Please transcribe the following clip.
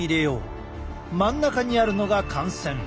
真ん中にあるのが汗腺。